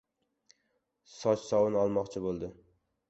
Sochsovun olmoqchi bo‘ldi.